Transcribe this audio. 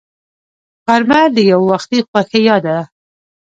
غرمه د یووختي خوښۍ یاد ده